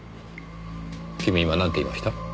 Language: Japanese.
君今なんて言いました？